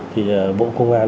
thì bộ công an